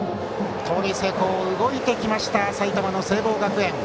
盗塁成功、動いてきました埼玉の聖望学園。